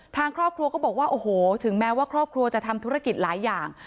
ทางครอบครัวก็บอกว่าโอ้โหถึงแม้ว่าครอบครัวจะทำธุรกิจหลายอย่าง